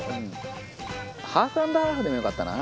ハーフ＆ハーフでもよかったな。